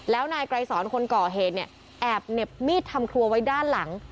แล้วนายไกรสอนคนก่อเหตุเนี่ยแอบเหน็บมีดทำครัวไว้ด้านหลัง